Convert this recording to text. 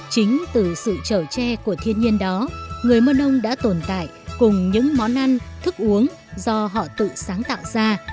chính từ sự trở tre của thiên nhiên đó người mơn ông đã tồn tại cùng những món ăn thức uống do họ tự sáng tạo ra